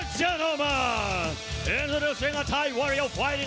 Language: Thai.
ทุกท่านทุกท่าน